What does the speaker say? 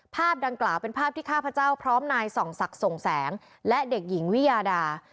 ภาพดังกล่าวเป็นภาพที่ข้าพเจ้าพร้อมนายส่องศักดิ์ส่งแสงและเด็กหญิงวิยาดา